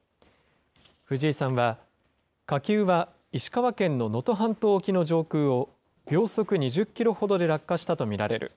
藤井さんは、火球は石川県の能登半島沖の上空を秒速２０キロほどで落下したと見られる。